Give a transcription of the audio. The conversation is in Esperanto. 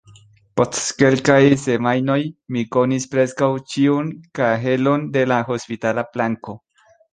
Post kelkaj semajnoj, mi konis preskaŭ ĉiun kahelon de la hospitala planko.